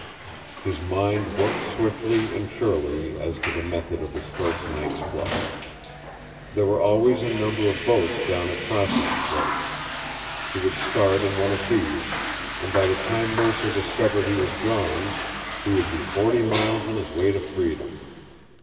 His mind worked swiftly and surely as to the method of his first night's flight. There were always a number of boats down at Crossen's place. He would start in one of these, and by the time Mercer discovered he was gone, he would be forty miles on his way to freedom.